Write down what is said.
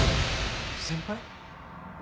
先輩？